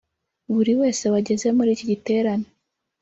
Buri wese wageze muri iki giterane